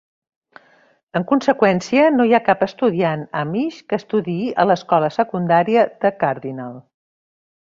En conseqüència, no hi ha cap estudiant amish que estudiï a l'escola secundària de Cardinal.